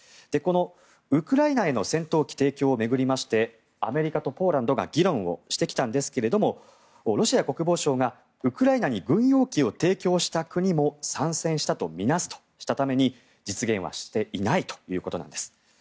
このウクライナへの戦闘機提供を巡りましてアメリカとポーランドが議論をしてきたんですがロシア国防省がウクライナに軍用機を提供した国も参戦したと見なすとしたために実現はしていないということなんです。